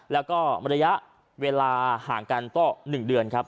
แล้วก็มระยะเวลาห่างกันต้น๑เดือน